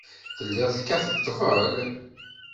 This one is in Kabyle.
Telliḍ tekkateḍ ṭṭbel?